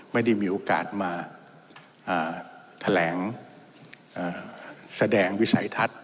ไม่ได้มีโอกาสมาแถลงแสดงวิสัยทัศน์